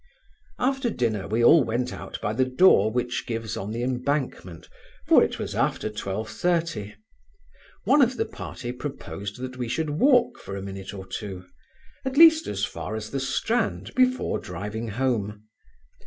After dinner we all went out by the door which gives on the Embankment, for it was after 12.30. One of the party proposed that we should walk for a minute or two at least as far as the Strand, before driving home.